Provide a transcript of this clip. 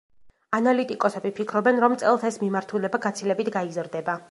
ანალიტიკოსები ფიქრობენ, რომ წელს ეს მიმართულება გაცილებით გაიზრდება.